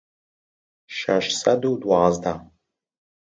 شەش سەد و دوازدە